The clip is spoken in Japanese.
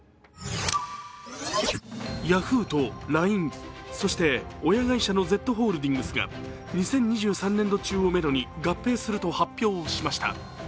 ヤフーとＬＩＮＥそして親会社のＺホールディングスが２０２３年度中をめどに合併すると発表しました。